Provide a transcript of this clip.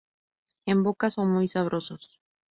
En boca son muy sabrosos.